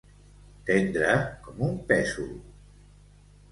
Tendre com un pèsol.